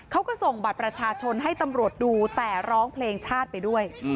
เขาก็ส่งบัตรประชาชนให้ตำรวจดูแต่ร้องเพลงชาติไปด้วย